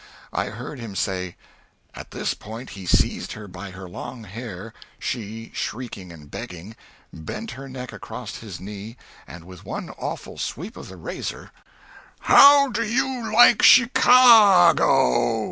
I heard him say, 'At this point he seized her by her long hair she shrieking and begging bent her neck across his knee, and with one awful sweep of the razor ' "HOW DO YOU LIKE CHICA A AGO?!!!"